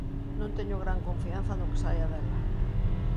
Non teño gran confianza no que saia dela.